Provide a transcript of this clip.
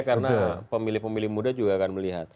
karena pemilih pemilih muda juga akan melihat